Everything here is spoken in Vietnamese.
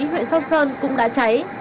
hội sông sơn cũng đã cháy